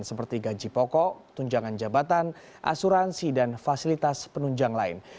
seperti gaji pokok tunjangan jabatan asuransi dan fasilitas penunjang lain